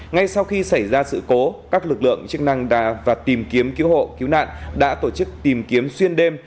ngay sau khi xảy ra sự cố các lực lượng chức năng và tìm kiếm cứu hộ cứu nạn đã tổ chức tìm kiếm xuyên đêm